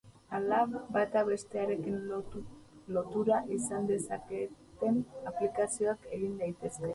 Hala, bata bestearekin lotura izan dezaketen aplikazioak egin daitezke.